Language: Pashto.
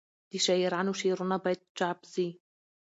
د شاعرانو شعرونه باید چاپ سي.